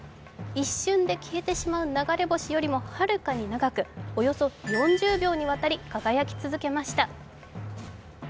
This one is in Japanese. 一瞬で消えてしまう流れ星よりもはるかに長く、およそ４０秒にわたり輝き続けました。